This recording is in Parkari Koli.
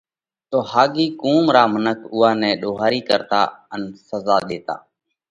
تو ۿاڳي قُوم را منک اُوئا نئہ ۮوھاري ڪرتا ان سزا ۮيتا۔